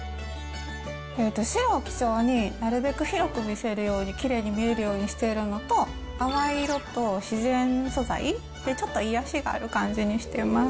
白を基調に、なるべく広く見せるように、きれいに見えるようにしているのと、淡い色と自然素材、ちょっと癒やしがある感じにしてます。